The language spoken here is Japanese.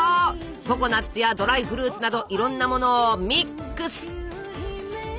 ココナツやドライフルーツなどいろんなものをミックス！